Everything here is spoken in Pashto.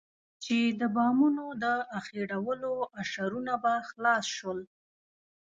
چې د بامونو د اخېړولو اشرونه به خلاص شول.